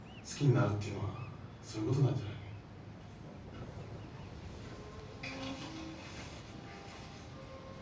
好きになるっていうのはそういうことなんじゃないの？